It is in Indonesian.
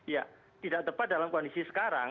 ya tidak tepat dalam kondisi sekarang